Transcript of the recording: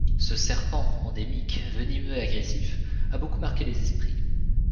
Ce serpent, endémique, venimeux et agressif, a beaucoup marqué les esprits.